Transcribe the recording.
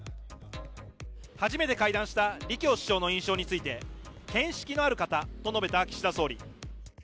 初めて会談した李強首相の印象について見識のある方と述べた岸田総理。